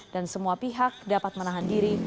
dan semua pihak dapat menahan diri